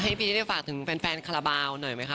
ให้พี่ที่เรียนฝากถึงแฟนคลาบาลหน่อยไหมคะ